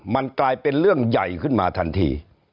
มันกลายเป็นเรื่องใหญ่ขึ้นมาทันที